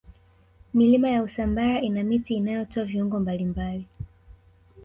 milima ya usambara ina miti inayotoa viungo mbalimbali